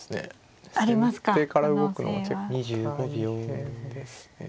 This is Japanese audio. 先手から動くのは結構大変ですね。